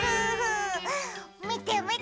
みてみて。